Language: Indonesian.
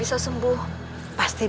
itulah semua maksud kita sekarang